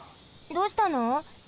どうしたの？